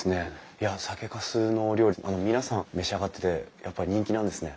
いや酒かすのお料理皆さん召し上がっててやっぱ人気なんですね。